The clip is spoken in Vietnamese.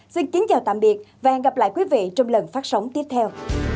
xin kính chào tạm biệt và hẹn gặp lại quý vị trong lần phát sóng tiếp theo